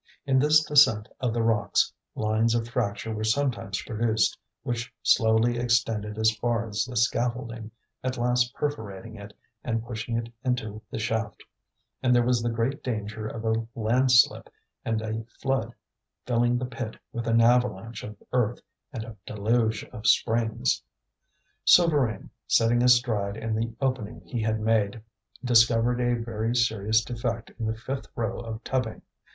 In this descent of the rocks lines of fracture were sometimes produced which slowly extended as far as the scaffolding, at last perforating it and pushing it into the shaft; and there was the great danger of a landslip and a flood filling the pit with an avalanche of earth and a deluge of springs. Souvarine, sitting astride in the opening he had made, discovered a very serious defect in the fifth row of tubbing.